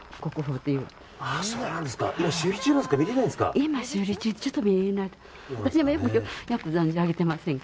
今、修理中なんですか。